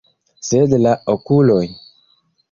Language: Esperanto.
Sed la okuloj!